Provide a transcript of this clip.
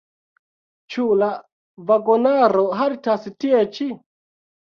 Ĉu la vagonaro haltas tie ĉi?